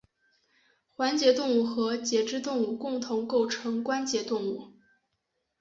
环节动物和节肢动物共同构成关节动物。